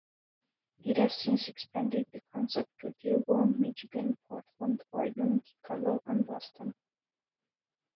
It has since expanded the concept to Dearborn, Michigan; Portland, Oregon; Chicago; and Boston.